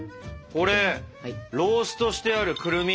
これローストしてあるくるみ！